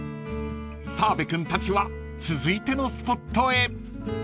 ［澤部君たちは続いてのスポットへ］